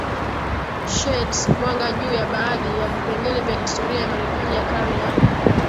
sheds mwanga juu ya baadhi ya vipengele vya historia ya Marekani ya karne ya